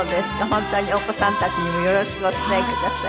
本当にお子さんたちにもよろしくお伝えください。